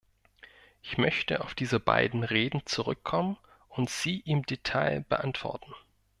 Ich möchte auf diese beiden Reden zurückkommen und sie im Detail beantworten.